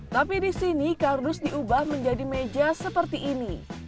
tapi di sini kardus diubah menjadi meja seperti ini